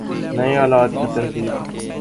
نئے آلات کی تنصیب